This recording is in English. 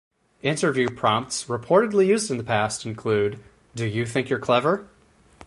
Interview prompts reportedly used in the past include Do you think you're clever?